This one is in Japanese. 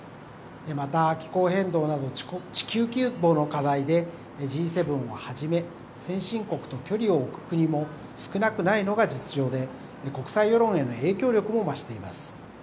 また気候変動など、地球規模の課題でＧ７をはじめ、先進国と距離を置く国も少なくないのが実情で、国際世論への影響力も増しています。